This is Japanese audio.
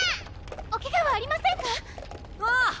おケガはありませんか⁉おう！